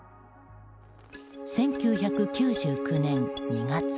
１９９９年２月